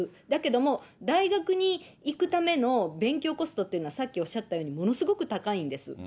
だけども、大学に行くための勉強コストというのは、さっきおっしゃったように、ものすごく高いんです。